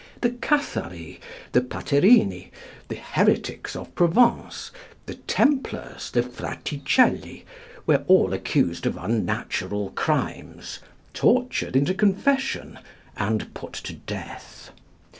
The Cathari, the Paterini, the heretics of Provence, the Templars, the Fraticelli, were all accused of unnatural crimes, tortured into confession, and put to death.